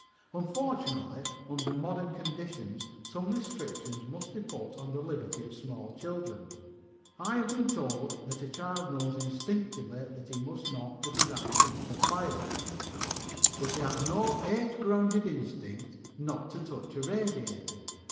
Unfortunately, under modern conditions some restrictions must be put on the liberty of small children. I have been told that a child knows instinctively that he must not put his hand into a fire, but he has no age grounded instinct not to touch a radiator.